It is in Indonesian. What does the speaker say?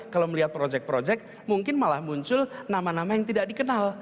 kalau melihat proyek proyek mungkin malah muncul nama nama yang tidak dikenal